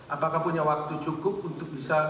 apakah punya waktu cukup untuk bisa